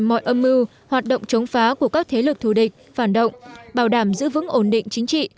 mọi âm mưu hoạt động chống phá của các thế lực thù địch phản động bảo đảm giữ vững ổn định chính trị